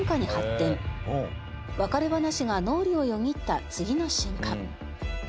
別れ話が脳裏をよぎった次の瞬間。